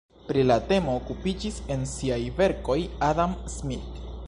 Pri la temo okupiĝis en siaj verkoj Adam Smith.